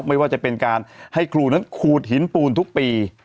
ไม่ว่าจะเป็นการให้ครูนั้นขูดหินปูนทุกปี